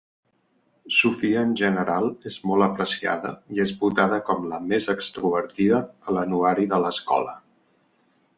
Sofia en general és molt apreciada i és votada com "la Més Extrovertida" a l'anuari de l'escola.